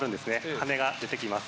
羽が出てきます。